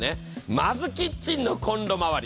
まずキッチンのこんろ回り。